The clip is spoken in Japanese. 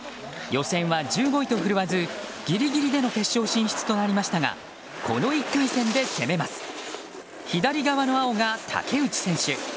予選は１５位と振るわずギリギリでの決勝進出となりましたがこの１回戦で攻めます。